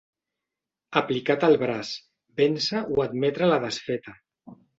Aplicat al braç, vèncer o admetre la desfeta.